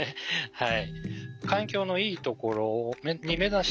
はい。